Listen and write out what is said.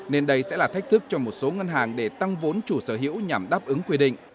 nên đây sẽ là thách thức cho một số ngân hàng để tăng vốn chủ sở hữu nhằm đáp ứng quy định